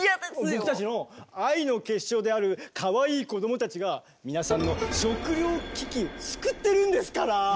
僕たちの愛の結晶であるかわいい子どもたちが皆さんの食糧危機を救ってるんですから。